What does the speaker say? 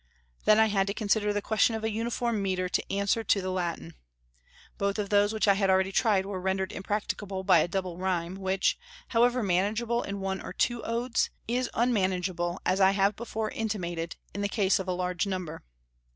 Then I had to consider the question of a uniform metre to answer to the Latin. Both of those which I had already tried were rendered impracticable by a double rhyme, which, however manageable in one or two Odes, is unmanageable, as I have before intimated, in the case of a large number.